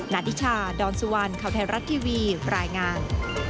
นานิชาดอนสุวรรณข่าวไทยรัฐทีวีรายงาน